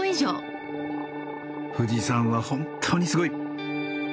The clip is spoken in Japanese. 富士山は本当にすごい。